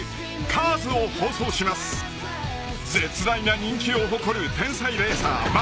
［絶大な人気を誇る天才レーサーマックィーン］